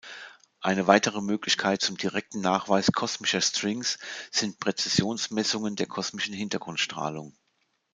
Eine weitere Möglichkeit zum direkten Nachweis kosmischer Strings sind Präzisionsmessungen der kosmischen Hintergrundstrahlung.